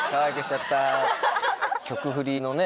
曲フリのね